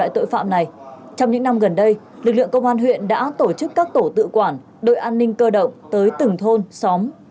trong những năm gần đây lực lượng công an huyện đã tổ chức các tổ tự quản đội an ninh cơ động tới từng thôn xóm